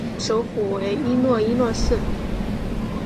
首府为伊洛伊洛市。